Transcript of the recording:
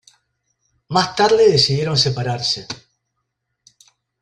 Más tarde decidieron separarse.